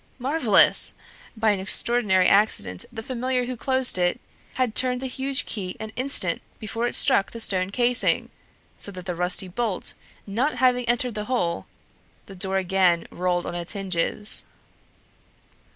Marvelous! By an extraordinary accident the familiar who closed it had turned the huge key an instant before it struck the stone casing, so that the rusty bolt not having entered the hole, the door again rolled on its hinges.